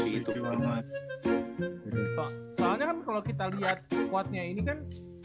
soalnya kan kalau kita liat squadnya ini kan